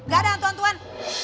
gak ada hantu hantuan